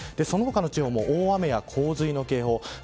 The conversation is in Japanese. その他の地域も大雨や暴風の警報